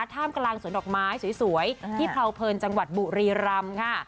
ท่ามกลางสวนดอกไม้สวยที่เผาเพลินจังหวัดบุรีรำค่ะ